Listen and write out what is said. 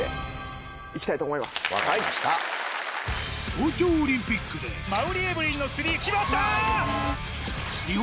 東京オリンピックで馬瓜エブリンの３決まった！